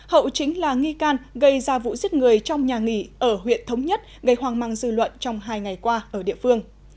hậu chính là nghi can gây ra vụ giết người trong nhà nghỉ ở huyện thống nhất gây hoang mang dư luận trong hai ngày qua ở địa phương